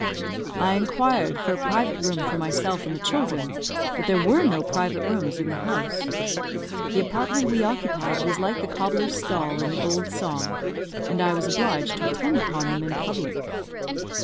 I inquired for a private room for myself and the children, but there were no private rooms in the house. The apartment we occupied was like the cobbler's stall in the old song, and I was obliged to attend upon them in public.